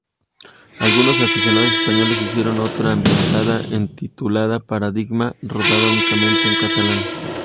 Algunos aficionados españoles hicieron otra ambientada en titulada Paradigma, rodada únicamente en catalán.